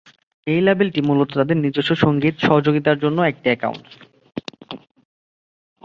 এই লেবেলটি মূলত তাদের নিজস্ব সঙ্গীত সহযোগিতার জন্য একটি আউটলেট।